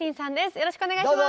よろしくお願いします。